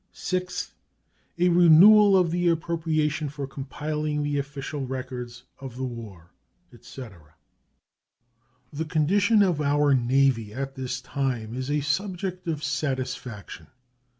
Sixth. A renewal of the appropriation for compiling the official records of the war, etc. The condition of our Navy at this time is a subject of satisfaction.